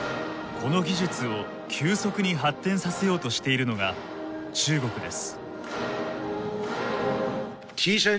この技術を急速に発展させようとしているのが中国です。